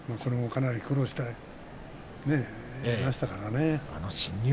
かなり苦労していましたからね。